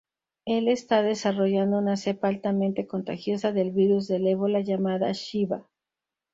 Él está desarrollando una cepa altamente contagiosa del virus del Ébola, llamada "Shiva".